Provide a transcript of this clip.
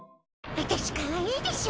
あたしかわいいでしょ？